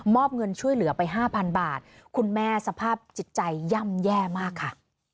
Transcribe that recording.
เงินช่วยเหลือไปห้าพันบาทคุณแม่สภาพจิตใจย่ำแย่มากค่ะ